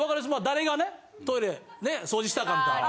誰がねトイレ掃除したかみたいな。